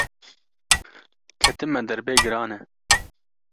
Ketime derbê giran e